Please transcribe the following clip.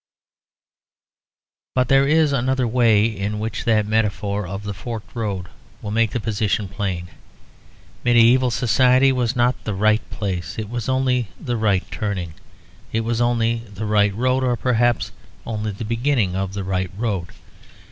But there is another way in which that metaphor of the forked road will make the position plain. Medieval society was not the right place; it was only the right turning. It was only the right road; or perhaps only the beginning of the right road.